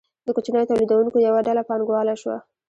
د کوچنیو تولیدونکو یوه ډله پانګواله شوه.